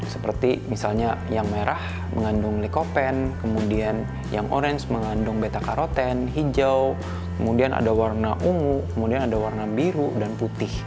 seperti misalnya yang merah mengandung likopen kemudian yang orange mengandung beta karoten hijau kemudian ada warna ungu kemudian ada warna biru dan putih